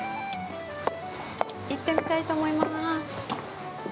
行ってみたいと思います。